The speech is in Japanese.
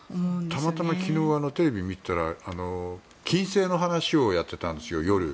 たまたま昨日テレビを見ていたら金星の話をやっていたんですよ夜。